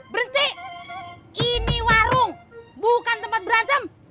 berhenti ini warung bukan tempat berantem